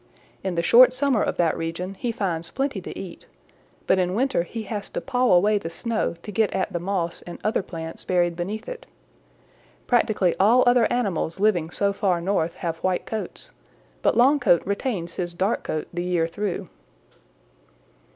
In the short summer of that region he finds plenty to eat, but in winter he has to paw away the snow to get at the moss and other plants buried beneath it. Practically all other animals living so far North have white coats, but Longcoat retains his dark coat the year through.